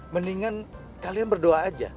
mendingan kalian berdoa aja